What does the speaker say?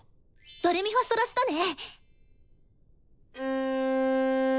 ドレミファソラシドね！